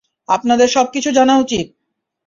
আপনাদের সবকিছু জানা উচিত!